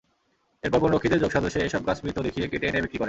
এরপর বনরক্ষীদের যোগসাজশে এসব গাছ মৃত দেখিয়ে কেটে এনে বিক্রি করে।